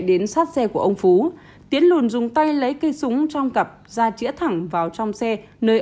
đến sát xe của ông phú tiến lùn dùng tay lấy cây súng trong cặp ra chĩa thẳng vào trong xe nơi